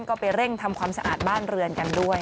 ก็ไปเร่งทำความสะอาดบ้านเรือนกันด้วย